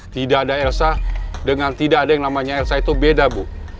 tidak ada elsa dengan tidak ada yang namanya elsa itu beda bu